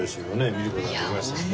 見る事ができましたよね。